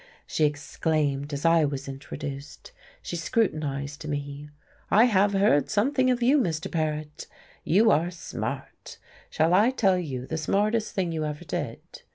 she exclaimed, as I was introduced. She scrutinized me. "I have heard something of you, Mr. Paret. You are smart. Shall I tell you the smartest thing you ever did?"